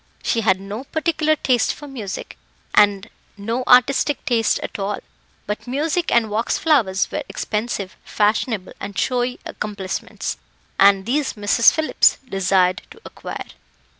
She had no particular taste for music, and no artistic taste at all; but music and wax flowers were expensive, fashionable, and showy accomplishments, and these Mrs. Phillips desired to acquire.